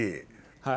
はい。